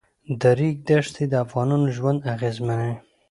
د ریګ دښتې د افغانانو ژوند اغېزمنوي.